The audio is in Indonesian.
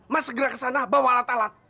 mas segera ke sana bawa alat alat